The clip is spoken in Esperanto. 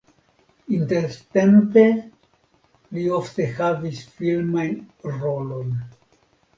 Intertempe li ofte havis filmajn rolojn.